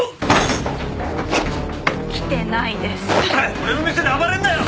俺の店で暴れるなよ！